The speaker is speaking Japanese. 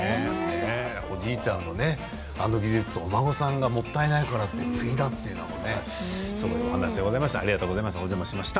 おじいちゃんのあの技術をお孫さんがもったいないから継いだというのはすばらしい話でございました。